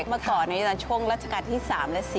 เมื่อก่อนในช่วงรัฐกาลที่๓และ๔